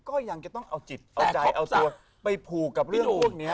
ก็ยังจะต้องเอาจิตเอาใจเอาตัวไปผูกกับเรื่องพวกนี้